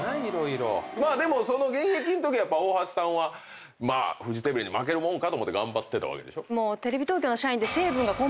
でも現役んときやっぱ大橋さんはフジテレビに負けるもんかと思って頑張ってたわけでしょ？